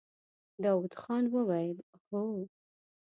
داوود خان وويل: هو!